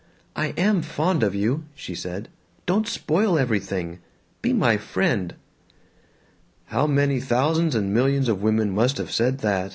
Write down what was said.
"I am fond of you," she said. "Don't spoil everything. Be my friend." "How many thousands and millions of women must have said that!